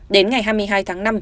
đến ngày hai mươi hai tháng năm